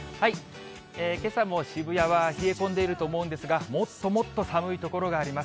けさも渋谷は冷え込んでいると思うんですが、もっともっと寒い所があります。